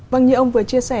vâng như ông vừa chia sẻ